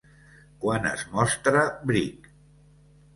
Quan es mostra Brick